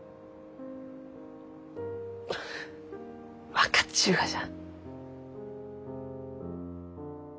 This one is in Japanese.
分かっちゅうがじゃ。